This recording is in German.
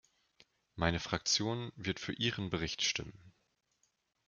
Meine Fraktion wird für ihren Bericht stimmen.